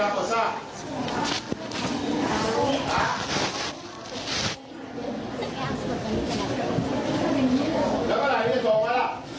คลิปกันก่อนค่ะ